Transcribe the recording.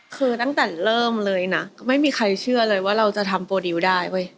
คือตั้งแต่เริ่มเลยนะไม่มีใครเชื่อเลยว่าเราจะทำโปรดิวได้เว้ย